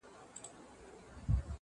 ساقي نن مي خړوب که شپه تر پایه مستومه!